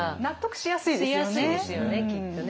しやすいですよねきっとね。